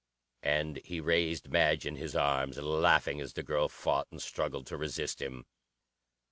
And he raised Madge in his arms, laughing as the girl fought and struggled to resist him.